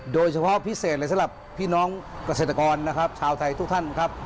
โดยเฉพาะพิเศษเลยสำหรับพี่น้องเกษตรกรนะครับชาวไทยทุกท่านครับ